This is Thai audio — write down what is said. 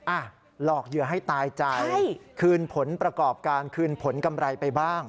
หลอกเหยื่อให้ตายใจคืนผลประกอบการคืนผลกำไรไปบ้าง